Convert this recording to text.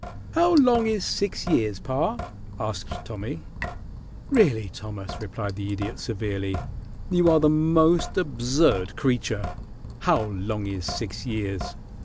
"How long is six years, pa?" asked Tommy. "Really, Thomas," replied the Idiot, severely, "you are the most absurd creature. How long is six years!"